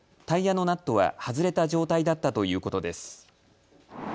タイヤのナットは外れた状態だったということです。